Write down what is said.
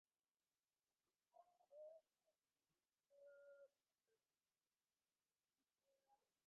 সে ক্ষেত্রে তাহাদের জীবন অনবরত ভ্রমণ, ভগবৎ-সাধনা এবং ধর্মপ্রচারে কাটে।